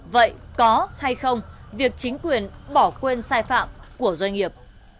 vậy có hay không việc chính quyền bỏ quên sai phạm của doanh nghiệp